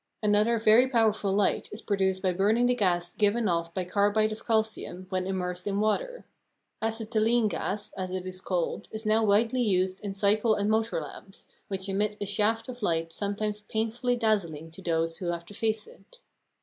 Another very powerful light is produced by burning the gas given off by carbide of calcium when immersed in water. Acetylene gas, as it is called, is now widely used in cycle and motor lamps, which emit a shaft of light sometimes painfully dazzling to those who have to face it.